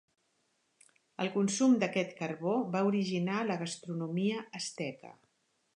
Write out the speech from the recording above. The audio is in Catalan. El consum d'aquest carbó va originar la gastronomia asteca.